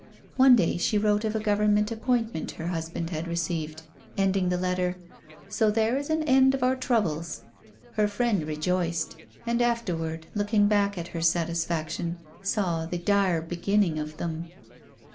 One day she wrote of a Government appointment her husband had received, ending the letter: 'So there is the end of our troubles.' Her friend rejoiced, and afterward looking back at her satisfaction, saw the dire beginning of them.